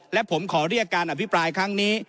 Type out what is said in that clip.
และผมขอเรียกการอภิปรายครั้งนี้